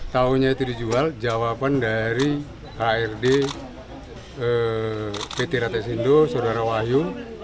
tahunya itu dijual jawaban dari ard pt ratesindo saudara wahyu